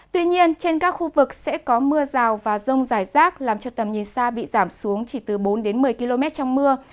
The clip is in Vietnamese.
tuy nhiên trên các khu vực sẽ có mưa rào và rông rải rác làm cho tầm nhìn xa bị giảm xuống chỉ từ bốn đến một mươi km trong mưa